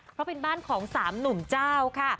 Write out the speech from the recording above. เพราะเป็นบ้านของ๓หนุ่มเจ้าค่ะ